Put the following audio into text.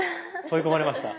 追い込まれました。